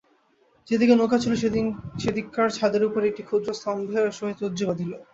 যেদিকে নৌকা ছিল, সেইদিককার ছাদের উপরের একটি ক্ষুদ্র স্তম্ভের সহিত রজ্জু বাঁধিল।